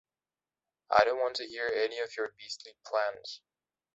I don't want to hear any of your beastly plans.